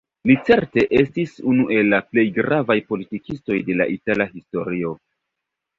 Li certe estis unu el la plej gravaj politikistoj de la itala historio.